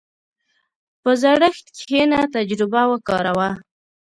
په زړښت کښېنه، تجربه وکاروه.